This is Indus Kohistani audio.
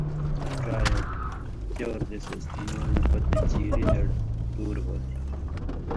ڇا یا چؤر دېسہۡ استمال نہ پتَیں چیری دڑی دُور ہوتھی۔